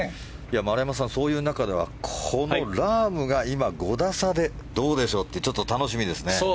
丸山さん、そういう中ではこのラームが今、５打差でどうでしょうってちょっと楽しみですね。